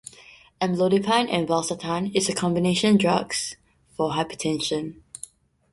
Amlodipine and valsartan is a combination drugs for hypertension.